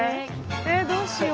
えどうしよう。